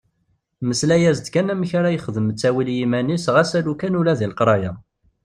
Mmeslay-as-d kan amek ara yexdem ttawil i yiman-is ɣas alukan ula deg leqraya.